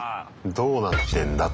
どうなってんだと。